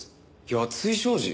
八ツ井商事？